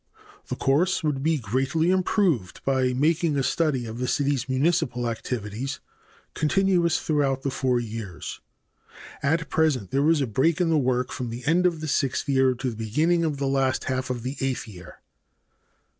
The course would be greatly improved by making a study of the city's municipal activities continuous throughout the four years. At present there is a break in the work from the end of the sixth year to the beginning of the last half of the eighth year.